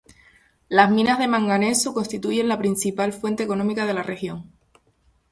Las minas de manganeso constituyen la principal fuente económica de la región.